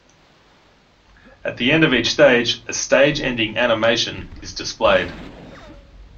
At the end of each stage, a "stage-ending animation" is displayed.